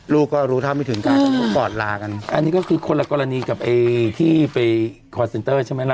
ลูกก็รู้เท่าไม่ถึงการกอดลากันอันนี้ก็คือคนละกรณีกับไอ้ที่ไปคอร์เซ็นเตอร์ใช่ไหมล่ะ